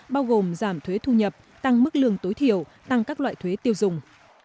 bao gồm giảm thuế thu nhập tăng mức lương tối thiểu tăng các loại thuế tiêu dùng